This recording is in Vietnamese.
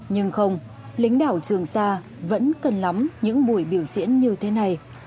nhưng không lính đảo trường sa vẫn cần lắm những buổi biểu diễn như thế này